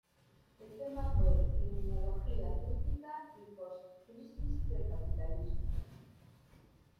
El tema fue "criminología crítica y post-crisis del capitalismo".